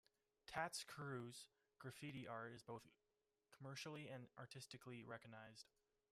Tats Cru's graffiti art is both commercially and artistically recognized.